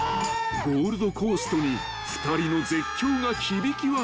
［ゴールドコーストに２人の絶叫が響き渡る］